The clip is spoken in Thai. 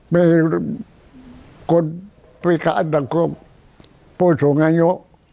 มีคนพิการทั้งครบพูดส่งให้อยู่